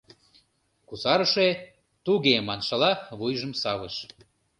Кусарыше “туге” маншыла вуйжым савыш.